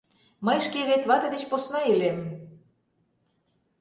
Мый шке вет вате деч посна илем...